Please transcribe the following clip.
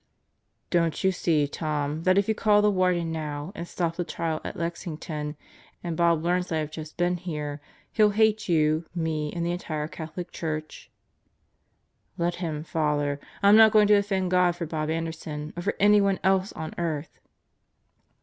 "Don't you see, Tom, that if you call the Warden now and stop the trial at Lexington, and Bob learns that I have just been here, he'll hate you, me, and the entire Catholic Church?" "Let him, Father. I'm not going to offend God for Bob Anderson or for anyone else on earth."